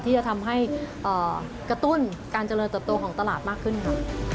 ที่จะทำให้กระตุ้นการเจริญเติบโตของตลาดมากขึ้นค่ะ